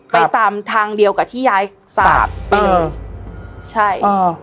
ไปตามทางเดียวกับที่ย้ายสาดไปเลยใช่อ๋อ